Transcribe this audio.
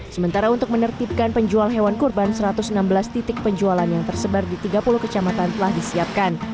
sementara untuk menertibkan penjual hewan kurban satu ratus enam belas titik penjualan yang tersebar di tiga puluh kecamatan telah disiapkan